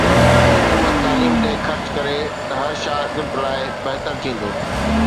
حڪومت تعليم تي خرچ ڪري ته هر شاگرد لاءِ بهتر ٿيندو